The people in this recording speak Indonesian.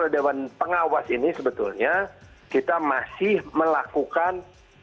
dewan pengawas ini sebetulnya kita masih melakukan